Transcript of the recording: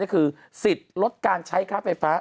ก็คือสิทธิ์ลดการใช้ค่าไฟฟ้า